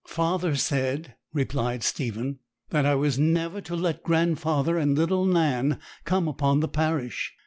'Father said,' replied Stephen, 'that I was never to let grandfather and little Nan come upon the parish.